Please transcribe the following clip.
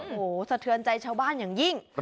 โอ้โหสะเทือนใจชาวบ้านอย่างยิ่ง